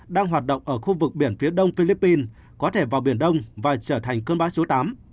đang hoạt động ở khu vực biển phía đông philippines có thể vào biển đông và trở thành cơn bão số tám